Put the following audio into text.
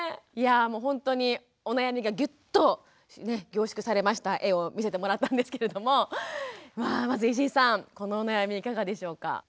いやぁもうほんとにお悩みがギュッとね凝縮されました画を見せてもらったんですけれどもまあまず石井さんこのお悩みいかがでしょうか？